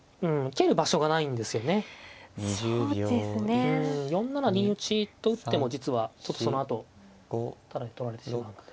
うん４七銀打ちと打っても実はちょっとそのあとタダで取られてしまうので。